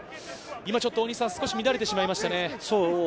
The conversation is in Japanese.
今、少し乱れてしまいましたね。